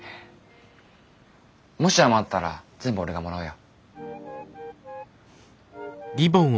もし余ったら全部俺がもらうよ。